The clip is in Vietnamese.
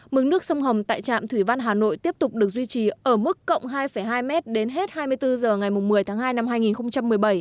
mức nước sông hồng tại trạm thủy văn hà nội tiếp tục được duy trì ở mức cộng hai hai m đến hết hai mươi bốn h ngày một mươi tháng hai năm hai nghìn một mươi bảy